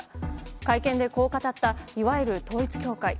会見でこう語ったいわゆる統一教会。